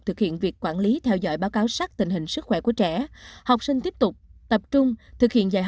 thực hiện việc quản lý theo dõi báo cáo sắc tình hình sức khỏe của trẻ